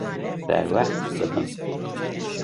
Serwext dibim.